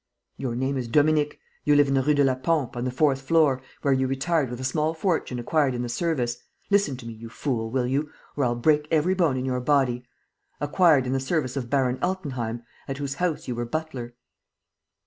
"Your name is Dominique ... you live in the Rue de la Pompe, on the fourth floor, where you retired with a small fortune acquired in the service listen to me, you fool, will you, or I'll break every bone in your body! acquired in the service of Baron Altenheim, at whose house you were butler."